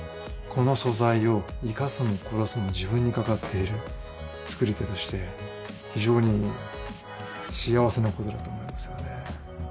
この素材を生かすも殺すも自分にかかっている作り手として非常に幸せなことだと思いますよね